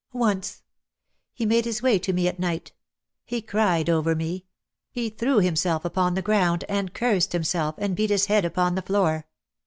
"Once. He made his way to me at night. He cried over me. He threw himself upon the ground, and cursed himself, and beat his head upon the floor.